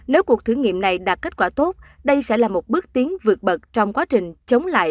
nếu cuộc thử nghiệm này đạt kết quả tốt đây sẽ là một bước tiến vượt bậc trong quá trình chống lại